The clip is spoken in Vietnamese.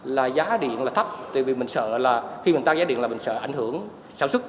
là giá điện là thấp tại vì mình sợ là khi mình tăng giá điện là mình sợ ảnh hưởng sản xuất